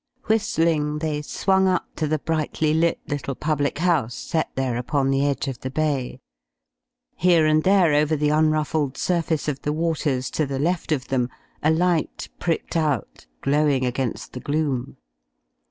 Whistling, they swung up to the brightly lit little public house, set there upon the edge of the bay. Here and there over the unruffled surface of the waters to the left of them, a light pricked out, glowing against the gloom.